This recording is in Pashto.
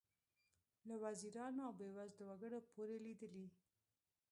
له وزیرانو او بې وزلو وګړو پورې لیدلي.